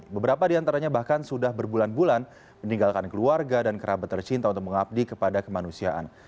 beberapa di antaranya bahkan sudah berbulan bulan meninggalkan keluarga dan kerabat tercinta untuk mengabdi kepada kemanusiaan